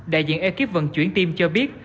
đại diện ekip vận chuyển tim cho biết